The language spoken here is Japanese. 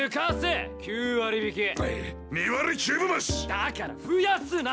だから増やすな！